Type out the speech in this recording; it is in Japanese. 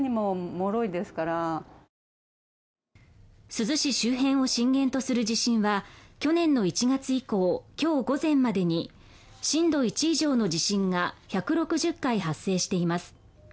珠洲市周辺を震源とする地震は去年の１月以降今日午前までに震度１以上の地震が１６０回発生しています。